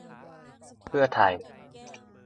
เพื่อไทย